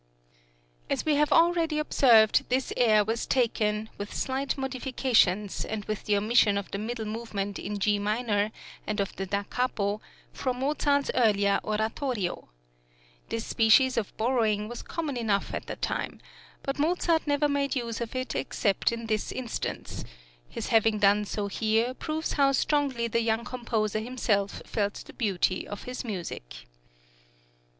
As we have already observed, this air was taken, with slight modifications, and with the omission of the middle movement in G minor, and of the Da capo, from Mozart's earlier oratorio (p. 55). This species of borrowing was common enough at the time, but Mozart never made use of it except in this instance; his having done so here proves how strongly the young composer himself felt the beauty of his music.